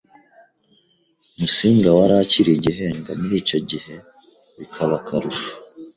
Musinga wari akiri igihenga muri icyo gihe bikaba akarusho.